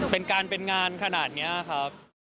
เป็นการเป็นงานขนาดนี้ครับ